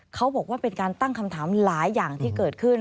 เขาบอกว่าเป็นการตั้งคำถามหลายอย่างที่เกิดขึ้น